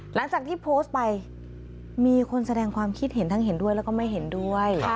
หลังจากที่โพสต์ไปมีคนแสดงความคิดเห็นทั้งเห็นด้วยแล้วก็ไม่เห็นด้วย